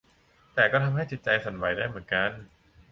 แต่ก็ทำให้จิตใจสั่นไหวได้เหมือนกัน